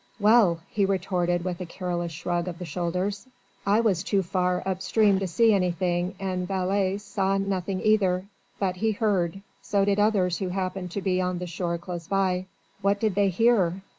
"Well!" he retorted with a careless shrug of the shoulders. "I was too far up stream to see anything and Vailly saw nothing either. But he heard. So did others who happened to be on the shore close by." "What did they hear?"